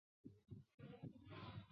后来在家中去世。